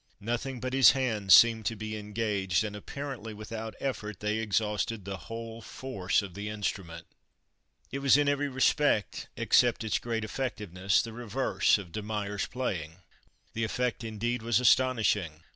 Nothing but his hands seemed to be engaged, and apparently without effort they exhausted the whole force of the instrument. It was in every respect except its great effectiveness the reverse of De Meyer's playing. The effect, indeed, was astonishing.